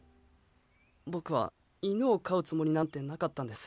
僕は犬を飼うつもりなんてなかったんです。